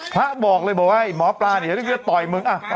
พระบอกเลยบอกว่าไอ้หมอปลาเนี่ยอีกศักดิ์ต่อยมึง